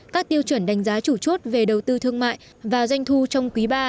các tiêu chuẩn đánh giá chủ chốt về đầu tư thương mại và doanh thu trong quý ba